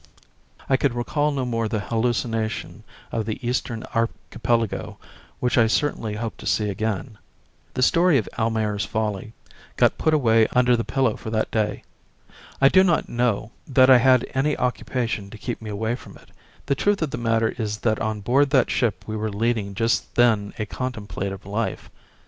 I could recall no more the hallucination of the Eastern Archipelago which I certainly hoped to see again. The story of "Almayer's Folly" got put away under the pillow for that day. I do not know that I had any occupation to keep me away from it; the truth of the matter is that on board that ship we were leading just then a contemplative life.